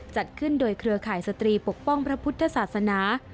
จัดขึ้นโดยเครือข่ายสตรีปกป้องพระพุทธศาสนา